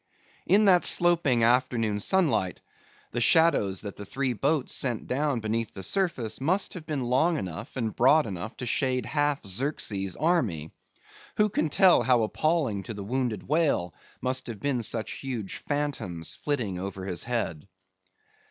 In that sloping afternoon sunlight, the shadows that the three boats sent down beneath the surface, must have been long enough and broad enough to shade half Xerxes' army. Who can tell how appalling to the wounded whale must have been such huge phantoms flitting over his head!